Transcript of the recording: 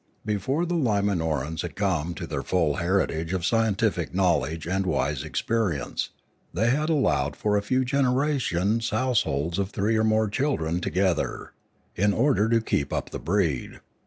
Before the Limanorans had come to their full heritage of scientific knowledge and wise experience, they had allowed for a few generations households of three or more children together, in order to keep up the breed.